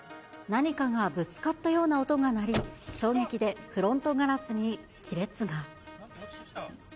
何かがぶつかったような音が鳴り、衝撃でフロントガラスに亀裂が。